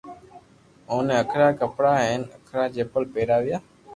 اوني ھکرا ڪپڙا ھين ھکرا چپل پيراويا